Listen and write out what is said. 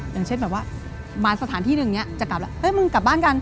อย่างเช่นแบบว่ามาสถานที่หนึ่งอย่างนี้จะกลับแล้วเฮ้ยมึงกลับบ้านกัน